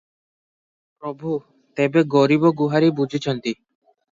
ପ୍ରଭୁ ତେବେ ଗରିବ ଗୁହାରୀ ବୁଝୁଛନ୍ତି?